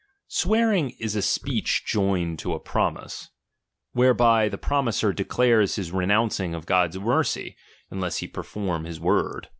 Swearing is a speech joined to a promise, chap. 1 whereby the promiser declares his renouncing of ^j^^ ^^^^^ God's mercy, unless he perform his word.